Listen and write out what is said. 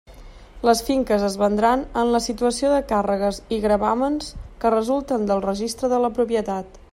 Les finques es vendran en la situació de càrregues i gravàmens que resulten del registre de la propietat.